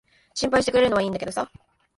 心配してくれるのは良いんだけどさ。